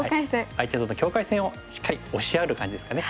相手との境界線をしっかり押しやる感じですかね。